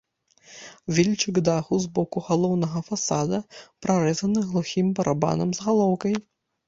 Вільчык даху з боку галоўнага фасада прарэзаны глухім барабанам з галоўкай.